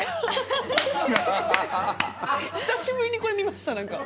久しぶりにこれ見ました。